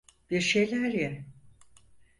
Bir şeyler ye.